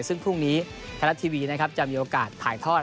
ซึ่งพรุ่งนี้ครัวทางทีวีมันมีออกการถ่ายทอด